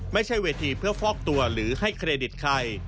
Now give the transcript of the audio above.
ไม่ใช่เวทีเพื่อฟอกตัวหรือให้เครดิตใคร